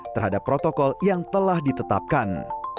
terhadap protokol yang telah ditetapkan